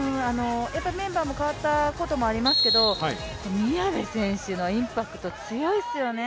やっぱメンバーも代わったこともありますけど宮部選手のインパクト、強いですよね。